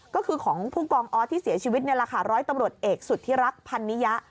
ก็คือของผู้กองออสที่เสียชีวิตราคาร้อยตำรวจเอกสุดที่รักพันนิยะ